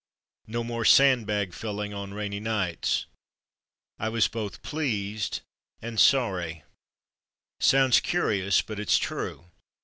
No more sand bag filling on rainy nights. I was both pleased and sorry — sounds curious, but it's true.